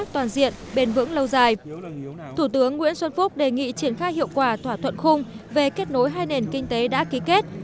thủ tướng nguyễn xuân phúc đề nghị triển khai hiệu quả thỏa thuận khung về kết nối hai nền kinh tế đã ký kết